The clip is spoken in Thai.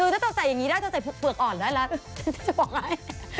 ถ้าเจ้าใส่อย่างนี้ได้เจ้าใส่เฟือกอ่อนได้ละจะบอกไง